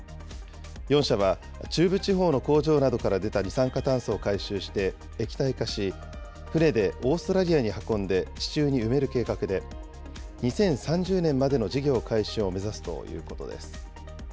４社は中部地方の工場から出た二酸化炭素を回収して、液体化し、船でオーストラリアに運んで地中に埋める計画で、２０３０年までの事業開始を目指すということです。